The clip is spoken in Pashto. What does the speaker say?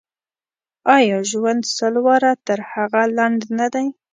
آیا ژوند سل واره تر هغه لنډ نه دی.